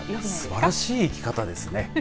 すばらしい生き方ですね。